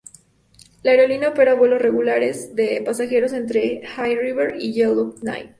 La aerolínea opera vuelos regulares de pasajeros entre Hay River y Yellowknife.